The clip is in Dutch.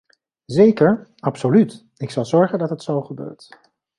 Zeker, absoluut, ik zal zorgen dat het zo gebeurt.